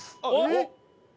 えっ！？